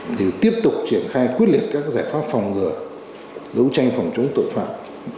thì tiếp tục triển khai quyết liệt các giải pháp phòng ngừa đấu tranh phòng chống tội phạm